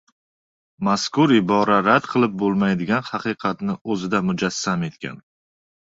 Mazkur ibora rad qilib bo‘lmaydigan haqiqatni o‘zida mujassam etgan.